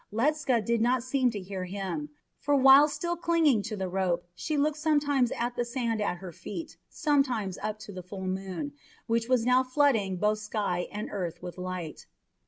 Ledscha did not seem to hear him, for while still clinging to the rope she looked sometimes at the sand at her feet, sometimes up to the full moon, which was now flooding both sky and earth with light.